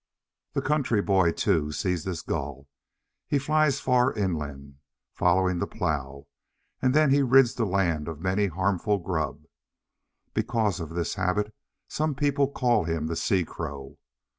The country boy, too, sees this Gull. He flies far inland, following the plough, and he then rids the land of many a harmful grub. Because of this habit, some people call him the Sea crow.